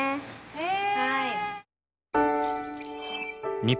へえ。